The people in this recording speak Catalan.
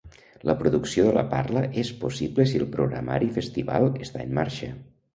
La producció de la parla és possible si el programari Festival està en marxa.